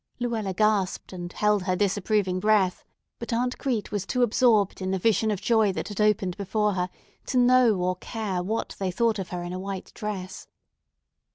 Luella gasped and held her disapproving breath, but Aunt Crete was too absorbed in the vision of joy that had opened before her to know or care what they thought of her in a white dress.